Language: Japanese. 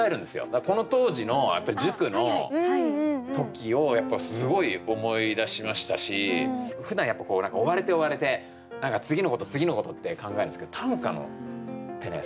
だからこの当時のやっぱり塾の時をやっぱりすごい思い出しましたしふだんやっぱこう何か追われて追われて何か次のこと次のことって考えるんですけど短歌ってね